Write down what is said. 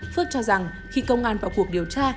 phước cho rằng khi công an vào cuộc điều tra